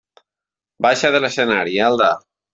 Baixa de l'escenari, Elda!